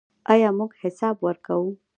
آیا موږ حساب ورکوو؟